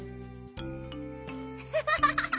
ハハハハハ！